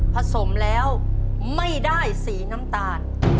ผสมแล้วไม่ได้สีน้ำตาล